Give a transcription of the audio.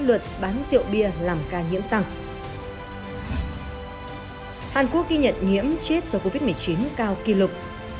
hàn quốc ghi nhận nhiễm chết do covid một mươi chín cao kỷ lục